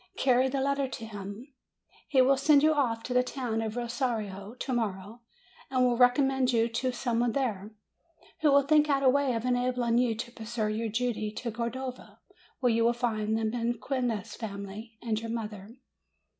Carry the letter to him. He will send you off to the town of Rosario to morrow, and will recommend you to some one there, who will think out a way of enabling you to pursue your journey to Cordova, where you will find the Mequinez family and your mother.